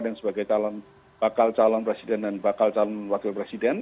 dan sebagai bakal calon presiden dan bakal calon wakil presiden